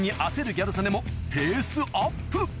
ギャル曽根もペースアップ